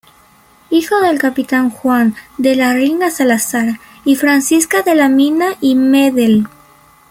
Hijo del capitán Juan de Larrinaga Salazar y Francisca de la Mina y Medel.